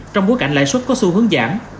trong bối cảnh lãi xuất có xu hướng giảm